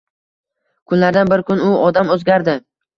Kunlardan bir kun u odam oʻzgardi.